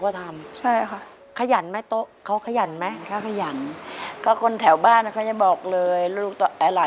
อะไรที่ทำได้เราก็ทำ